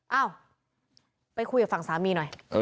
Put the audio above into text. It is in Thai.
เอ้าไปคุยกับฝั่งสามีหน่อย